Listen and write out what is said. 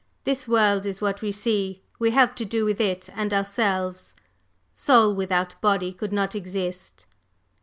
This world is what we see; we have to do with it and ourselves. Soul without body could not exist.